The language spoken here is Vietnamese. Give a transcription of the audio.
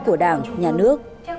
của đảng nhà nước